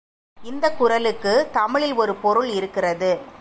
இந்தக் குரலுக்குத் தமிழில் ஒரு பொருள் இருக்கிறது.